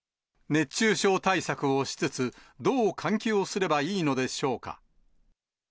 熱中症対策をしつつ、どう換気をすればいいのでしょうか。